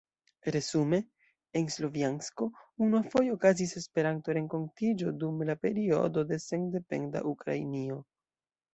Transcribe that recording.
Resume, en Slovjansko unuafoje okazis Esperanto-renkontigo dum la periodo de sendependa Ukrainio.